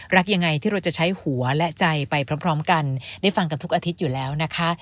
รักยังไงที่เราจะใช้หัวและใจไปพร้อมกันได้ฟังกันทุกอาทิตย์อยู่แล้วนะคะ